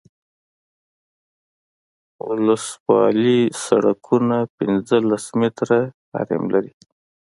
ولسوالي سرکونه پنځلس متره حریم لري